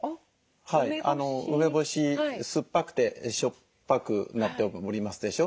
梅干し酸っぱくてしょっぱくなっておりますでしょ。